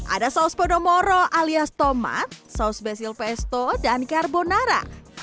ada saus podomoro alias tomat saus besil pesto dan carbonara